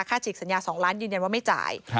ฉีกสัญญา๒ล้านยืนยันว่าไม่จ่าย